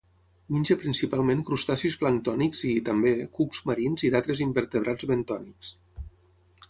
Menja principalment crustacis planctònics i, també, cucs marins i d'altres invertebrats bentònics.